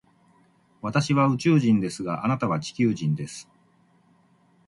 私は宇宙人ですが、あなたは地球人です。